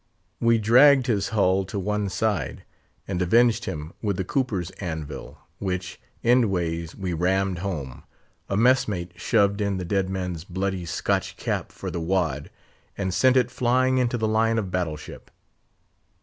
We dragged his hull to one side, and avenged him with the cooper's anvil, which, endways, we rammed home; a mess mate shoved in the dead man's bloody Scotch cap for the wad, and sent it flying into the line of battle ship.